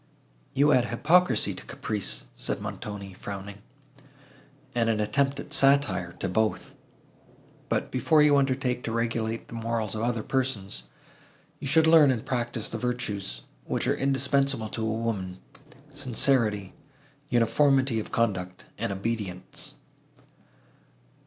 "You add hypocrisy to caprice," said Montoni, frowning, "and an attempt at satire, to both; but, before you undertake to regulate the morals of other persons, you should learn and practise the virtues, which are indispensable to a woman—sincerity, uniformity of conduct and obedience."